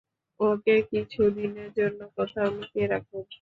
ওকে কিছু দিনের জন্য কোথাও লুকিয়ে রাখুন।